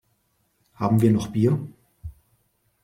Haben wir noch Bier?